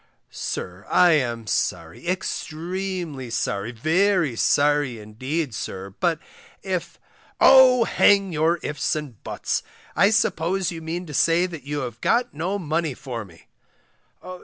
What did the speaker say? Sir, I am sorry, extremely sorry, very sorry, indeed, sir, but if Oh! hang your ifs and your buts, I suppose you mean to say that you have got no money for me?